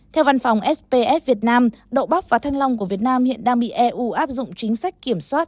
theo văn phòng sps việt nam đậu bắp và thanh long của việt nam hiện đang bị eu áp dụng chính sách kiểm soát